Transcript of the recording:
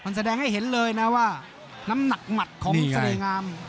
แสดงให้เห็นเลยนะว่าน้ำหนักหมัดของเสน่หงาม